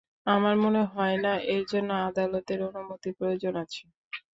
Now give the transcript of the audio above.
আমার মনে হয় না এর জন্য আদালতের অনুমতির প্রয়োজন আছে।